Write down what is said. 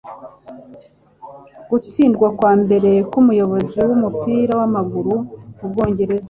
gutsindwa kwambere nkumuyobozi wumupira wamaguru mu Bwongereza